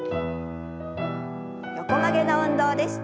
横曲げの運動です。